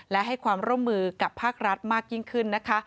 และให้ความร่วมมือกับภาครัฐมากยิ่งขึ้นนะคะ